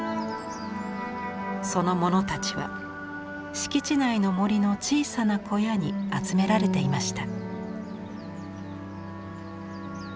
その物たちは敷地内の森の小さな小屋に集められていました。